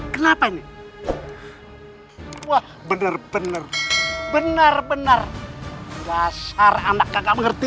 kenapa nih wah bener bener benar benar dasar anak nggak mengerti